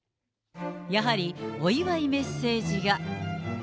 やはりお祝いメッセージが。